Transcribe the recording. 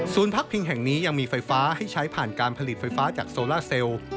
พักพิงแห่งนี้ยังมีไฟฟ้าให้ใช้ผ่านการผลิตไฟฟ้าจากโซล่าเซลล์